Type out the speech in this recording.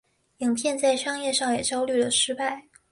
影片在商业上也遭遇了失败。